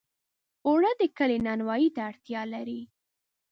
اوړه د کلي نانوایۍ ته اړتیا لري